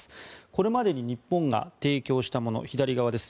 これまでに日本が提供したもの左側です。